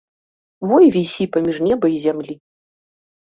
Во і вісі паміж неба і зямлі.